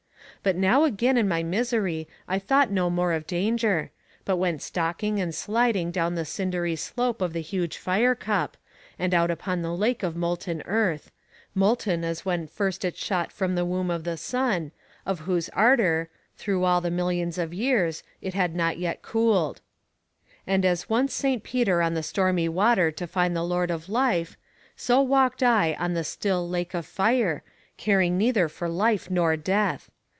But now again in my misery I thought no more of danger, but went stalking and sliding down the slipery slope of the huge fire cup, and out upon the lake of molten earth molten as when first it shot from the womb of the sun, of whose ardour, through all the millions of years, it had not yet cooled. And as once St. Peter on the stormy water to find the Lord of Life, so walked I on the still lake of fire, caring neither for life nor death.